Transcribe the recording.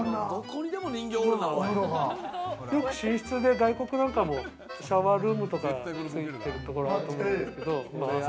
よく寝室で外国なんかもシャワールームとかついてるとこあると思うんですけど。